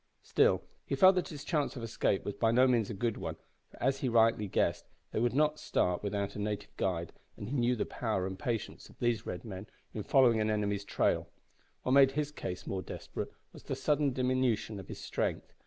Still he felt that his chance of escape was by no means a good one, for as he guessed rightly, they would not start without a native guide, and he knew the power and patience of these red men in following an enemy's trail. What made his case more desperate was the sudden diminution of his strength.